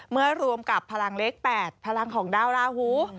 รวมกับพลังเลข๘พลังของดาวราหู